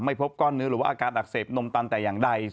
พบก้อนเนื้อหรือว่าอาการอักเสบนมตันแต่อย่างใด